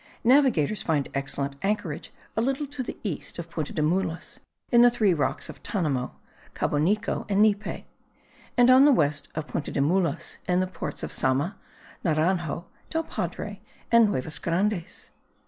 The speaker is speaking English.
Navigators find excellent anchorage a little to the east of Punta de Mulas, in the three rocks of Tanamo, Cabonico, and Nipe; and on the west of Punta de Mulas in the ports of Sama, Naranjo, del Padre and Nuevas Grandes.